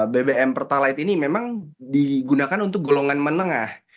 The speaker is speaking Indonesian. bbm pertalite ini memang digunakan untuk golongan menengah